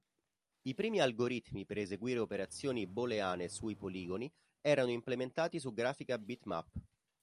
I primi algoritmi per eseguire operazioni booleane sui poligoni erano implementati su grafica bitmap.